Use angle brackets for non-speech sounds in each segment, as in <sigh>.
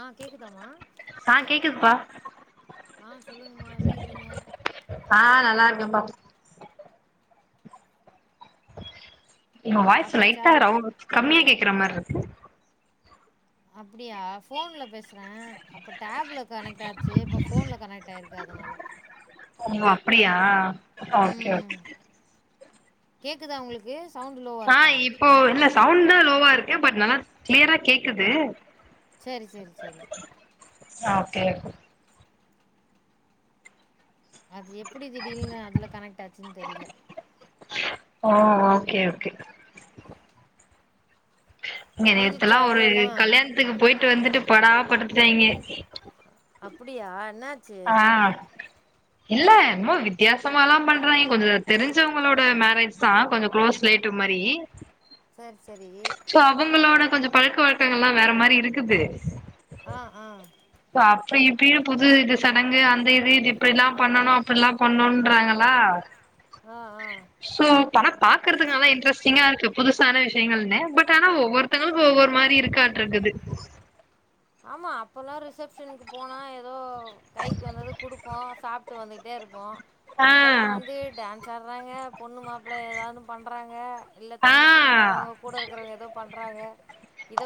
ஆ கேக்குதாம்மா சொல்லுங்கமா எப்டி இருக்கீங்க <unintelligible> <unintelligible> உங்க வாய்ஸ் லைட்டா ரைவ் கம்மியா கேக் கேக்ற மார் இருக்கு அப்படியா ஃபோன்ல பேசுற அப்ப டேப்ல கனெக்ட் ஆச்சு இப்ப ஃபோன்ல கனெக்ட் <unintelligible> இருக்க அதனால ஓ அப்படியா ஓகே ஓகே கேக்குதா உங்களுக்கு ஆ இப்போ இல்ல சவுண்டு லோ வா இருக்கு பட் நல்லா க்ளியரா கேக்குது செரி செரி செரி ஆ ஓகே அது எப்படி திடீல்னு அதுல கனெக்ட் ஆச்சுன் தெரில அ ஓகே ஓகே இங்க நேத்தெல்லா ஒரு கல்யாணத்துக்கு போயிட் ட்டு வந்துட்டு படா படுத்துட்டாங்க அப்புடியா என்ன ஆ இல்ல என்னமோ வித்தியாசமா எல்லா பண்றாங்க கொஞ்சோ தெரிஞ்சவங்களோட மேரேஜ்தா கொஞ்ச குளோஸ் ரிலேட்டிவ் மாரி சோ அவுங்களோட கொஞ்ச பழக்க வலக்கங்கள் எல்லா வேற மாரி இருக்குது சோ அப்டி இப்டி புது இது சடங்கு அந்த இது இது இப்டில்லா பண்ணனு அப்டில்லா பண்ணுன்றாங்க மா ம் படோ பாக்குறதுக்கு நல்லா இன்ட்ரெஸ்டிங்கா இருக்கு புதுசான விஷயங்கள்னு பட் ஆனா ஒவ்வொருத்தங்களுக்கு ஒவ்வொரு மாதரி இருக்காட்ருக்குது ஆமா அப்போலா ரிசப்ஷனுக்கு போனா ஏதோ கைக்கு வந்தது குடுப்போ சாப்ட்டு வந் துட்டேருப்போ இப்பல்லா வந்து டான்ஸ் ஆடுறாங்க பொண்ணு மாப்பிள்ள ஏதாது பண்ணுறாங்க இல்ல தங்கிச்சீங்க அவுங்க கூட இருக்கறவங்க எதோ பண் றாங்க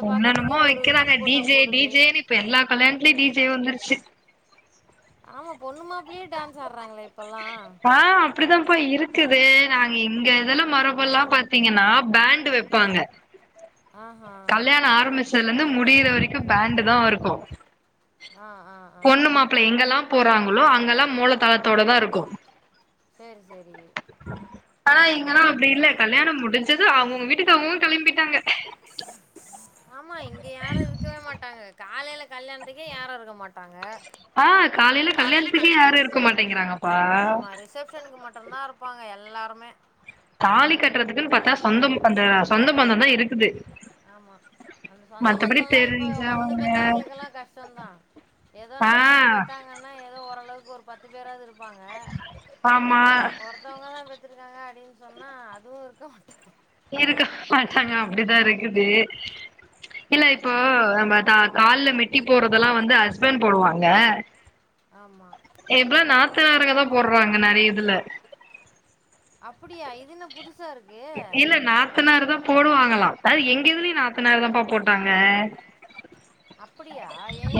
என்னென்னமோ வைக்கிறாங்க டிஜே ஜே டிஜேன்னு இப்ப எல்லா கல்யாணத்துலயும் டிஜே வந்துருச்சு பொண்ணு மாப்பிள்ளயே டான்ஸ் ஆடுறாங்களே இப்பல்லா நாங்க இங்க இதுல மரபு எல்லா பாத்தீங்கன்னா பேண்ட் வைப்பாங்க கல்யாணம் ஆரம்பிச்சதுல இருந்து முடியிற வரைக்கும் பேண்டு தா இருக்கும் பொண்ணு மாப்பிள்ள எங்கெல்லா போறாங்களோ அங்கெல்லா மொ தாளத்தோட தா இருக்கும் சேரி சேரி ஆனா இங்கன்னா அப்டி இல்ல கல்யாணம் முடிஞ்சதும் அவுங்கவுங்க வீட்டுக்கு அவுங்கவுங்க கிளம்பிட்டாங்க ஆமா இங்க யாரும் இருக்கவே மாட்டாங்க காலைல கல்யாணத்துக்கே யாரும் இருக்க மாட்டாங்க ஆமா ரிசப்ஷனுக்கு மட்டும் <unintelligible> இருப்பாங்க எல்லாருமே தாலி கட்டுறதுக்குன்னு பாத்தா சொந்தம் அந்த சொந்த பந்தம் தா இருக்குது ஆமா அந்த சொந்த பந்தோ எல்லாம் இப்ப ஒண்ணு பெத்தவங்களுக்கெல்லா கஷ்டோந்தா ஏதோ நாலஞ்சு பெத்தாங்கன்னா ஏதோ ஓரளவு க்கு ஒரு பத்து பேராது இரு ப்பாங்க ஒருத்தவங்கதா பெத் திருக்காங்க அப்டின்னு சொன்னா அதுவு இருக்க மாட்டாங்க. இருக்க மாட்டாங்க அப்டிதா இருக்குது. இல்ல இப்போ நம்ம கா கால்ல மெட்டி போடுறதெல்லா வந்து ஹஸ்பண்ட் போடுவாங்க. ஆமா இப்ப நாத்தனாருகதா போடுறாங்க நெறைய இதுல. அப் இல்ல நாத்தனாருதா போடுவாங்களா. அது எங்க இதுலயு நாத்தனார்தாம்பா போட்டாங்க.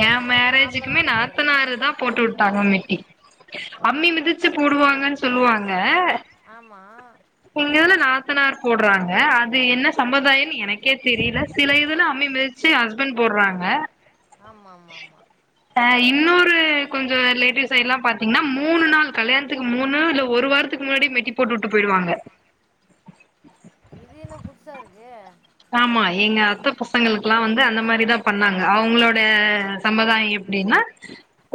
ஏன் மேரேஜுக்குமே நாத்தனாருதா போட்டு விட்டாங்க மெட்டி. அம்மி மிதிச்சு போடுவாங்கன்னு சொல்லுவாங்க. உண்மையான நாத்தனார் போடுறாங்க அ அது என்ன சம்பதாயன்னு எனக்கே தெரியில சில இதுல அம்மி மிதிச்சு ஹஸ்பண்ட் போடுறாங்க ஆமா ஆமா ஆமா ரு கொஞ்ச ரிலேட்டிவ்ஸ்சை எல்லா பாத்தீங்கன்னா மூணு நாள் கல்யாணத்துக்கு மூணு இல்ல ஒரு வாரத்துக்கு முன்னாடி மெட்டி போட்டு உட்டு போயிடுவாங்க இது என்ன புதுசா இருக்கு ஆமா எங்க அத்த பசங்களுக்குல்லா வந்து அந்த மாரிதா பண்ணாங்க அவங்களோட சம்பதாயோ எப்டின்னா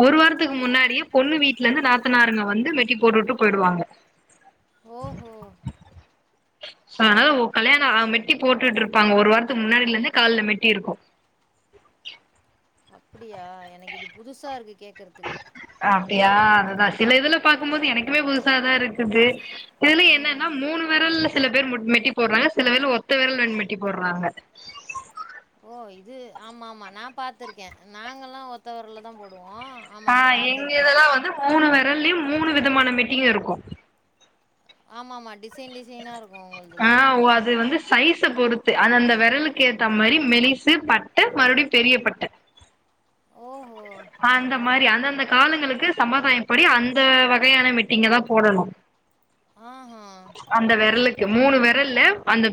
ஒரு வாரத்துக்கு முன்னாடியே பொண்ணு வீட்ல இருந்து நாத்தனாருங்க வந்து மெட்டி போட்டு வுட்டு போயிடுவாங்க அதனால கல்யாணம் மெட்டி போட்டு விட்டுட்டு இருப்பாங்க ஒரு வாரத்துக்கு முன்னாடில இருந்தே கால்ல மெட்டி இருக்கு அப் அப்டியா எனக்கு இது புதுசா இருக்கு கேக்கறதுக்கு யா அதுதா சில இதுல பாக்கும்போது எனக்குமே புதுசாதா இருக்குது இதுல என்னன்னா மூணு வெரல்ல சில பேர் மு மெட்டி போடுறாங்க சில பேர்ல ஒத்த வெரல்ல மெட்டி போடுறாங்க ஓ இது ஆமா ஆமா நா பாத்திருக்கே நாங்கெல்லா ஒத்த வெரல்லதா போடுவோ ஆ எங்க இதெல்லா வந்து மூணு வெரல்லியும் மூணு விதமான மெட்டிங்க இருக்கு ஆமா ஆமா டிசின் டிசினா இருக்கு உங்குளுதுல சைஸ்ஸ பொறுத்து அந்த அந்த வெரலுக்கு ஏத்த மாரி மெலிசு பட்ட மறுபடியு பெரிய பட்ட ஓ அந்த அந்த காலங்களுக்கு சமாதாயப்படி அந்த வகையான மெட்டிங்கதா போடணு அந்த வெரலுக் கு மூணு வெரல்ல அந்த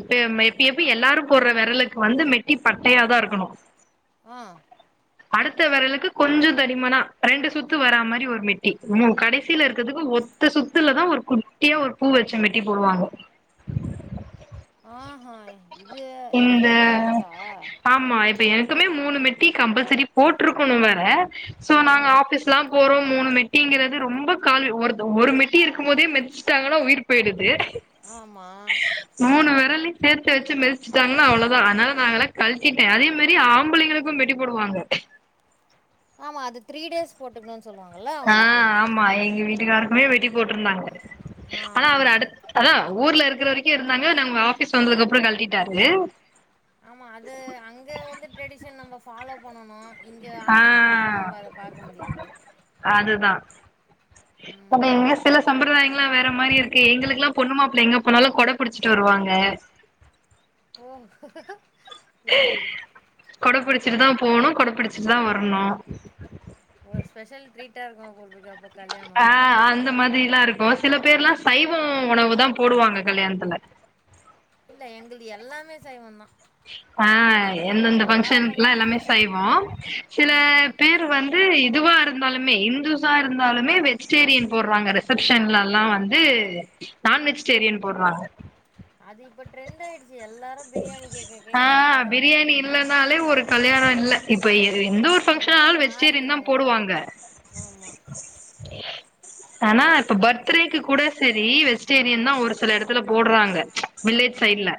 எப்ப எப்ப எல்லாரு போடுற வெரலுக்கு வந்து மெட்டி பட்டையாதா இருக்கணு ஆ அடுத்த வெரலுக்கு கொஞ்சோ தடிமனா ரெண்டு சுத்து வர மாரி ஒரு மெட்டி கடைசில இருக்குறதுக்கு ஒத்த சுத்துலதா ஒரு குட்டியா ஒரு பூ வெச்ச மெட்டி போடுவாங்க ஆஆய் இந்த ஆமா இப்ப எனக் க்குமே மூணு மெட்டி கம்பல்சரி போட்ருக்கணு வேற ஷோ நாங்க ஆபீஸ்லாம் ஒரு மூணு மெட்டிங்கிறது ரொம்ப காலூ ஒடுது ஒரு மெட்டி இருக்கும் போதே மிதிச்சிட்டாங்கன்னா உயிர் போயிடுது மூணு வெரல்லியு சேர்த்து வெச்சு மெதுஸ் ச்சுட்டாங்கன்னா அவ்ளோதா அதனால நான்ல்லா கழ்ட்டிட்ட அதே மேரி ஆம்பளைங்களுக்கு மெட்டி போடுவாங்க ஆமா அது த்ரீ டேஸ் போட்டுக்ணு அ ஆமா எங்க வீட் <unintelligible> மெட்டி போட்டுருந்தாங்க ஆனா அவர் அடுத் அதா ஊர்ல இருக்கற வரைக்கு இருந்தாங்க நம்ம ஆஃபீஸ் வந்ததுக்கு அப்புறொ கழட்டிட்டாரு ஃபாலோ பண்ணணு இங்க ஆஃபீஸ்லல்லா நம்ப அத பாக்க முடியாது ஒங்க இதுல சில சம்பிரதாயங்கல்லா வேற மாரி இருக்கே எங்களுக்குல்லா பொண்ணு மாப்ள எங்க போனாலு கொட புடிச்சிட்டு வருவாங்க <unintelligible> கொடபுடிச் ச்சுட்டு தா போணு கொடப்பிடிச்சிட்டு தா வரணு ஒரு ஸ்பெஷல் ட்ரீட்டா இருக்கு போல்ருக்கு அப்போ ஆ அந்த மாதிரிலா இருக் ஒரு சில பேர்லா சைவொ உணவு தா போடுவாங்க கல்யாணத்துல இது எல்லாமே சய்வோந்தா ஆ எந்தெந்த பங்க்ஷனுக்குலா எல்லாமே சய்வோ சில பேர் வந்து இதுவா இரு ந்தாலுமே ஹிந்துஸா இருந்தாலுமே வெஜிடேரியன் போட்றாங்க ரிசஃப்ஷன்லலா வந்து நான் வெஜிடேரியன் போட்றாங்க அது இப்ப ட்ரெண்டாயிட் ஆ ஆ பிரியாணி இல்லன்னாலே ஒரு கல்யாணோ இல்ல இப்ப எ து எந்த ஒரு ஃபங்ஷன் ஆனாலு வெஜிடேரியன் தா போடுவாங்க ஆனா இப்ப பர்த்டேக்கு கூட சரி வெஜிடேரியன் தா ஒரு சில எடத்துல போட்றாங்க வில்லேஜ் சைட்ல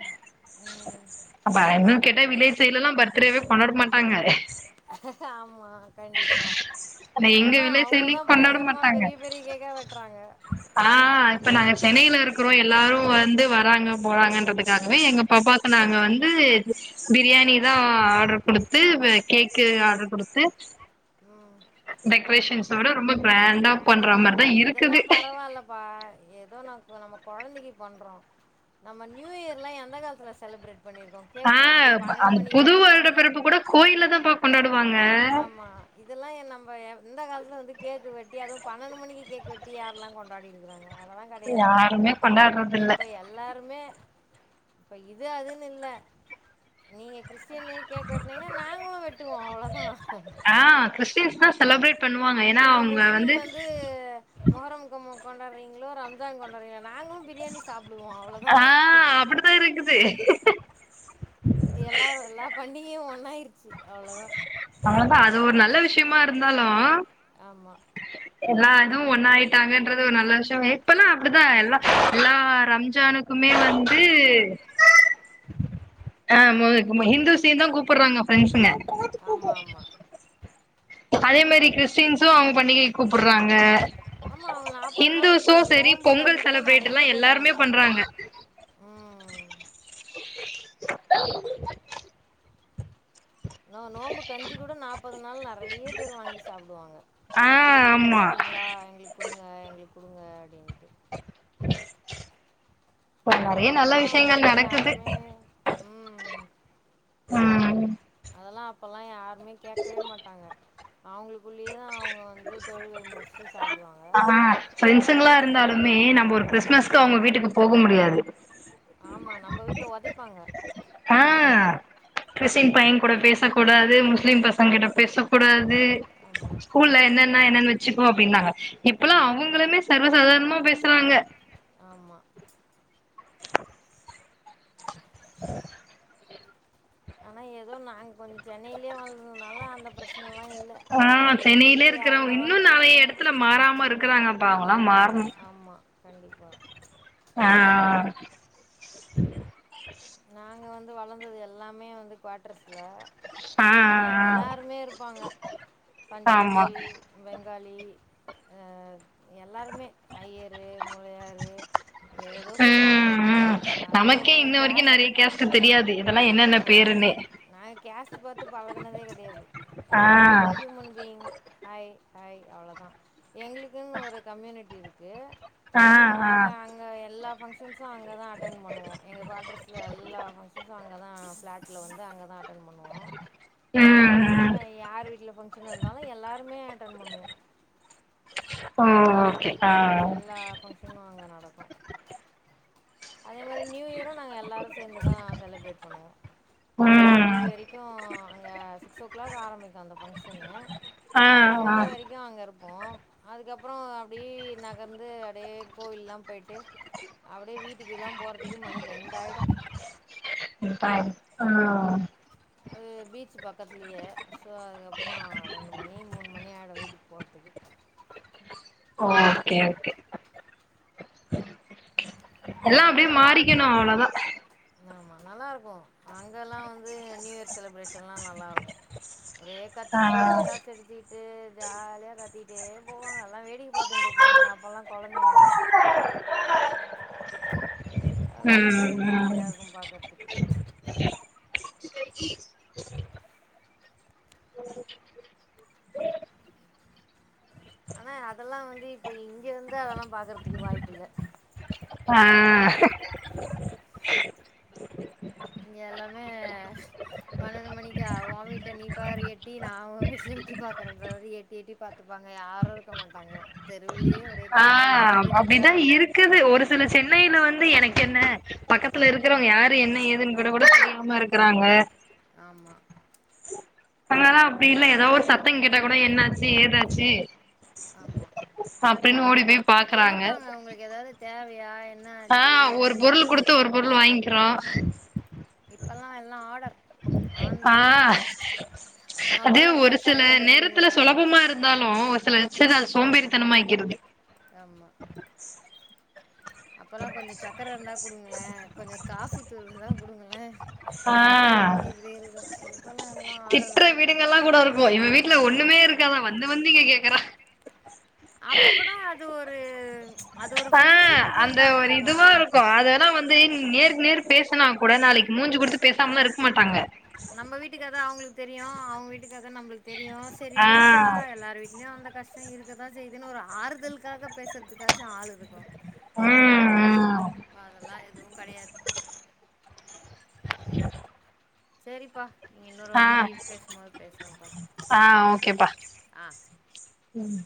அப்பயிங்கு கேட்டா வில்லேஜ் சைட்லெல்லா பர்த்டேவே கொண்டாட மாட்டாங்க ஆம்மா கண்டிப்பா இப்பெல்லா அவங்கதா பயங்கரமா பெரிய பெரிய கேக்கா வெட்றாங்க ஆ இப்ப நாங்க சென்னைல இருக்குறோ எல்லாரு வந்து வராங்க போறாங்கன்றதுக்காகவே எங்க பாப்பாவுக்கு நாங்க வந்து பிரியாணி தா ஆர்டர் கொடுத்து கேக்கு ஆடர் குடுத்து டெக் பேஷன்ஸோட ரொம்ப ப்ராண்டா பண்ற மாரிதா இருக் தெல்லா பரவால்லப்பா ஏதோ நம் நம்ப கொழந்தைக்கு பண்றோ நம்ம நியூ இயர்லா எந்த காலத்துல செலப்ரேட் ஆ அந்த புது வருட பிறப்பு கூட கோயில்ல தாப்பா கொண்டாடுவாங்க ஆமா இதெல்லா எ நம்ப எப் எந்த காலத்துல வந்து கேக்கு வெட்டி அதுவு பண் பண்ணண்டு மணிக்கி கேக் வெட்டி யார்லா கொண்ட் பாடி இருக்குறாங்க அதெல்லா கெடையாது இப்ப எல்லாருமே இப்ப இது அதுன்னு இல்ல நீங்க கிறிஸ்டின்னு கேக்கு வெட்னீங்கன்னா நாங்களு வெட்டுவோ அவ்ளோதா ஆ கிரிஸ்டியின்ஸ்ன செலபரேட் நீங்க முஸ்லிம் வந்து மொஹரம் கொம்மம் கொண்டாடுறீங்களோ ரம்ஜான் கொண்டாடுரிங் ஆ அப்டிதா இருக்குது எல்லாரு எல்லா பண்டிகையு ஒன்னாயிருச்சு அவ்ளோதா அவந்தா அது ஒரு நல்ல விஷயமா இருந்தாலு ஆமா எல்லா எதுவு ஒண்ணாயிட்டாங்கன்றது ஒரு நல்ல விஷய இப்பல்லா அப்டிதா எல்லா எல்லா ரம்ஜானுக்குமே வந்து ஆ ஹிந்துஸ்சையுந்தா கூப்டுறாங்க ஃபிரண்ட்ஸ்ங்க ஆமா ஆமா அதே மாரி கிறிஸ்டின்ஸும் அவங்க பண்டிகைக் கூப்டுறாங்க ஆமா அவங்க நாப்பது நாள் நோன்பு கஞ்சி கூட நிறைய பேர் வாங்கி சாப்டுவாங்க ம் ந நோன்ம்பு கஞ்சி கூட நாற்பது நாள் நிறைய பேர் வாங்கி சாப்டுவாங்க நோன்பு முடிச்சிட்டிங்களா எங்களுக் குடுங்க எங்களுக் குடுங்க ப்ப நிறைய நல்ல விஷயங்கள் நடக்குது ம் அதெல்லா அப்பல்லா யா துமே கேக்கவே மாட்டாங்க அவங்களுக்குள்ளேயே தா அவங்க வந்து தொழுகை முடிச்சு ஆ ப்ரெண்ட்சுங்களா இருந்தாலுமே நம்ம ஒரு கிறிஸ்மஸ்க்கு அவங்க வீட்டுக்கு போக முடியாது ஆமா நம்ம வீட்ல ஒதப்பாங்க ஆ கிறிஸ்டின் பையன் கூட பேச கூடாது முஸ்லிம் பசங்க கிட்ட பேச கூடாது து ஸ்கூல்ல என்ன என்ன என்னன்ன வச்சுக்கோ அப்டீனாங்க இப்பல்லா அவங்களுமே சர்வசாதாரணம ப்ப பேசுறாங்க ஆமா உஹ ஆனா ஏதோ நாங்க கொஞ் சென்னையிலயே வாழ்ந்ததுனாலே அந்த பிரச்சன எல்லா இல்ல நாங்க எங்க இஷ்டத்துக்கு யாரு கூட வேனாலு பேசுவோ ஆமா கண்டிப்பா ஆ ஆ நாங்க வந்து வளர்ந்தது எல்லாமே வந்து குவ்டர்ஸ் இங்க எல்லாருமே இருப்பாங்க பஞ்சாபி வெங் ங்காளி அ எல்லாருமே ஐயரு முறையாரு ஏதேதோ சொல்லுவாங்க அது மாரி நாங்க <unintelligible> நெறைய பேர்க்கு தெரியாது ஆமா <unintelligible> நா கேஸ்ட் பாத்து பழகுனதே கெடையாது யாரா இருந்தாலு human being hi hey hi அவ்ளோதா எங்களுக்குன்னு ஒரு கம்யூனிட்டி இருக் க்கு சோ நாங்க அங்க எல்லாப் ஃபங்ஷன்ஸ் ஸு அங்கதா அட்டடன் பண்ணுவோ எங்க குவாட் ல்ல எல்லா ஃபங்க்ஷன்ஸு அங்க தா ஃப்ளாட்ல வந்து அங்க தா அட்டன் பண்ணுவோ அதனால யார் வீட்ல ஃபங்க்ஷன் இருந்தாலு எல்லாருமே அட்டன் பண்ணுவோ ஓ ஓகே எல்லா ஃபங்க்ஷனு அங்க நடக்கு அதே மாரி நியூ இயரு நாங்க எல்லாரு சேந்து தா செலப்ரேட் பண்ணுவோ பன்னண்டு மணி வரைக்கு அங்க சிக்ஸ் ஓ கிளாக் ஆரமிக்கு அந்த ஃபங்க்ஷனு பன்னண்டு மணி வரைக்கு அங்க இருப் ப்போ அதுக்கப்புறொ அப்டி நகர்ந்து அப்டே கோவில்லா போயிட்டு அப்டே வீட் ட்டிக்குல்லா போறதுக்கு மணி ரெண்டாயிடு ஆ அது பீச் பக் பக்கத்துலயே ஸோ அதுக்கப்றொ ரெண்டு மணி மூணு மணி ஆய்டு வீட்டுக் போறதுக்கு ஓகே ஓகே எல்லா அப்டியே மாறிக்கணு அவ்ளோதா ஆமா நல்லார்க்கு அங்கல்லா வந்து நியூ இயர் செலப்ரேஷன்ல்லா நல்லா இருக்கு ஒரே கத்திக்கிட்டு பட்டாசு அடிச்சுக்கிட்டு ஜாலியா கத் கத்திக்கிட்டே போவாங்க எல்லா வேடிக்க பாத்துட்ருப்போ நாங்க அப்பல்லா கொழந்தைங்க அது மாரி ஒரே ஜாலியா இருக்கு பாக்கற்துக்கு <inaudible> ஆனா அதெல்லா வந் ந்து இப்ப இங்க வந்து அதெல்லா பாக்கற்துக்கு வாய்பு இல்ல ஆ இங்க எல்லாமே பன்னண்டு மணிக்கா ஓ வீட்ட நீ பாரு எட்டி நா ஓ வீட்ல எட்டிப் பாக்குறன்றமாரி எட் எட்டி எட்டி பாத்துப்பாங்க யாரு இருக்க மாட்டாங்க ஆ அப்டிதா இருக்குது ஒரு சில சென்னையில வந் ந்து எனக்கென்ன பக்கத்ல இருக்கிறவங்க யாரு என்ன ஏதுன்னு கூட கூட தெரியாம இருக்குறாங்க ஆமா இத்னாளா அப்டி இல்ல ஏதோ ஒரு சத்தங் கேட்டா கூட என்னாச்சு ஏதாச்சு ஆமா அப்டின் ஓடிப்போய் கேப்பாங்க உங்களுக்கு ஏதாவது தேவையா ஆ ஒரு பொருள் குடுத்து ஒரு பொருள் வாங்கிறோ <inaudible> இப்பல்லா எல்லா ஆடர் ஆ அது ஒரு சில நேரத்துல சுலபமா இருந்தாலு ஒரு சில <unintelligible> சோம்பேறி தனம்மாகிக்கிறது ஆமா <unintelligible> அப்பல்லா கொஞ்ச சக்கர இருந்தா குடுங்களே கொஞ்ச காஃபி தூள் இருந்தா குடுங்களே இப்டி இருந்தோ இப்பல்லா எல்லா ஆடருதா இல்ல ஒண்ணுமே இருக்காதா வந்து வந்து இங்க கேக்குறா அப்போ கூட அது ஒர் ஆ அந்த ஒரு இதுவா இருக்கு அதல்லா வந்து நேருக்கு நேரு பேசுனா கூட நாளைக்கு மூஞ்சு குடுத்து பேசாமலா இருக்க மாட்டாங்க நம்ம வீட்டுக்கத அவங்களுக்கு தெரியு அவங்க வீட்டுக்கத நம்மளுக்கு தெரியு செரி விடுப்பா எல்லார வீட்லயு அந்த கஷ்டோ இருக்கதா செய்யுதுன்னு ஒரு ஆறுதலக்காக பேசுறதுக்காச்சு ஆள் இருக்கு இப்ப அதெல்லா எதுவுங் கெடையாது <inaudible> சேரிப்பா ஆ ஆ ஓகேப்பா ம்